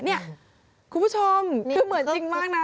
คุณผู้ชมคือเหมือนจริงมากนะ